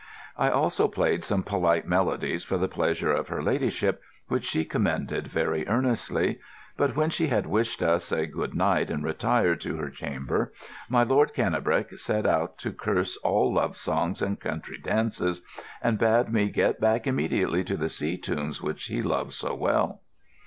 I also played some polite melodies for the pleasure of her ladyship, which she commended very earnestly; but when she had wished us a good night and retired to her chamber, my Lord Cannebrake set out to curse all love songs and country dances, and bade me get back immediately to the sea tunes which he loved so well.